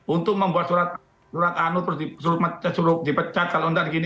untuk membuat surat anu terus dipecat kalau entar gini